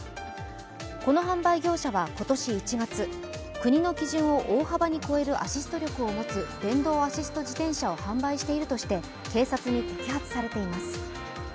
この販売業者は今年１月、国の基準を大幅に超えるアシスト力を持つ電動アシスト自転車を販売しているとして警察に摘発されています。